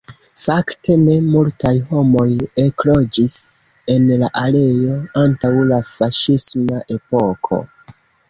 Fakte, ne multaj homoj ekloĝis en la areo antaŭ la faŝisma epoko.